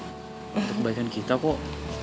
itu kebaikan kita kok